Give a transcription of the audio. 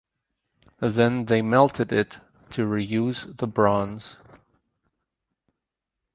Then they melted it to reuse the bronze.